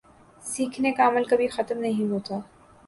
سیکھنے کا عمل کبھی ختم نہیں ہوتا